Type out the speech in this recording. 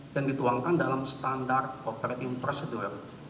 dan dituangkan dalam standar operating procedure